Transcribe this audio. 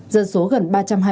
dân số gần ba trăm hai mươi